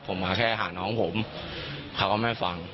ผมมาแค่หาน้องผมเขาก็ไม่ฟัง